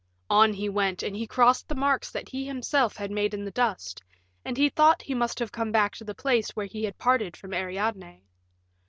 On he went, and he crossed the marks that he himself had made in the dust, and he thought he must have come back to the place where he had parted from Ariadne.